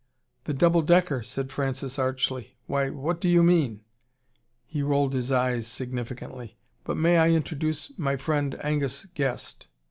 "The double decker!" said Francis archly. "Why, what do you mean! " He rolled his eyes significantly. "But may I introduce my friend Angus Guest."